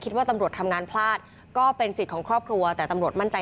มีโอกาสไปก็คือไปได้